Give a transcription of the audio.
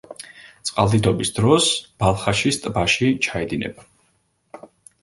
წყალდიდობის დროს ბალხაშის ტბაში ჩაედინება.